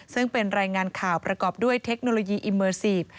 ซึ่งเป็นรายงานข่าวประกอบด้วยเทคโนโลยีอิเมอร์ซีฟ